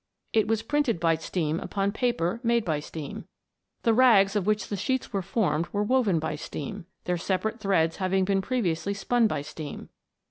It was printed by steam upon paper made by steam. The rags of which the sheets were formed were woven by steam, their separate threads having been previously spun by steam.